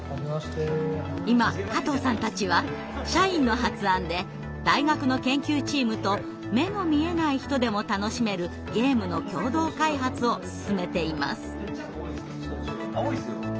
今加藤さんたちは社員の発案で大学の研究チームと目の見えない人でも楽しめるゲームの共同開発を進めています。